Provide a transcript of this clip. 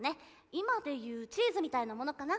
今でいうチーズみたいなものかな。